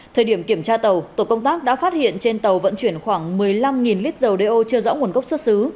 thời điểm kiểm tra tàu tổ công tác đã phát hiện trên tàu vận chuyển khoảng một mươi năm lít dầu đeo chưa rõ nguồn gốc xuất xứ